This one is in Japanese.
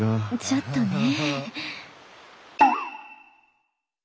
ちょっとね。